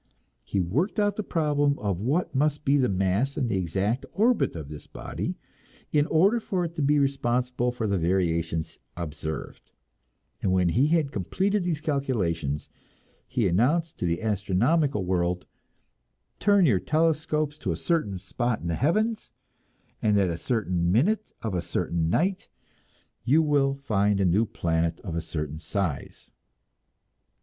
He worked out the problem of what must be the mass and the exact orbit of this body, in order for it to be responsible for the variations observed; and when he had completed these calculations, he announced to the astronomical world, "Turn your telescopes to a certain spot in the heavens at a certain minute of a certain night, and you will find a new planet of a certain size."